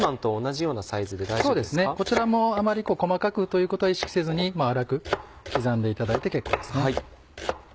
そうですねこちらもあまり細かくということは意識せずに粗く刻んでいただいて結構ですね。